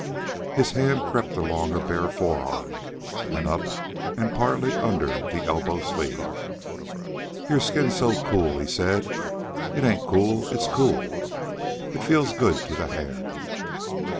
His hand crept along her bare forearm and up and partly under the elbow sleeve. "Your skin's so cool," he said. "It ain't cold; it's cool. It feels good to the hand."